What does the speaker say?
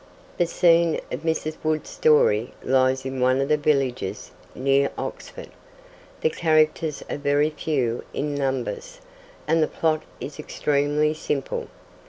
The scene of Mrs. Woods's story lies in one of the villages near Oxford; the characters are very few in number, and the plot is extremely simple.